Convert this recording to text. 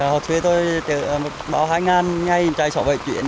học thuê tôi từ báo hai nghìn ngày trải xóa bảy chuyện